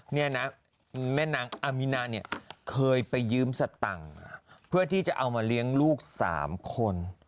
เนี่ยนะแม่นางอามินาเนี่ยเคยไปยืมสตังค์เพื่อที่จะเอามาเลี้ยงลูก๓คน